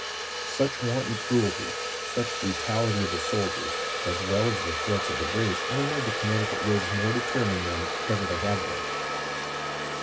Such wanton cruelty, such brutality of the soldiers, as well as the threats of the British, only made the Connecti cut Whigs more determined than ever they had been.